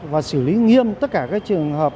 và xử lý nghiêm tất cả trường hợp